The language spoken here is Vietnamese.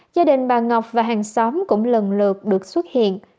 gia đình bà ngọc và hàng xóm cũng lần lượt được xuất hiện